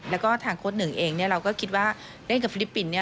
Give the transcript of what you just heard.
แล้วก็ทางโค้ดหนึ่งเองเราก็คิดว่าเล่นกับฟิลิปปินส์